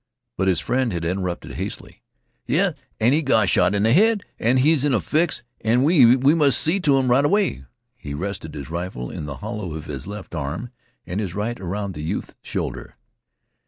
But his friend had interrupted hastily. "Yes, an' he got shot in th' head an' he's in a fix, an' we must see t' him right away." He rested his rifle in the hollow of his left arm and his right around the youth's shoulder.